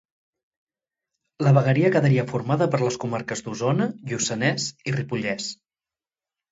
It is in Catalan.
La vegueria quedaria formada per les comarques d'Osona, Lluçanès i Ripollès.